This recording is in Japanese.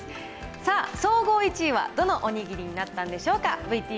さあ、総合１位はどのおにぎりになったんでしょうか。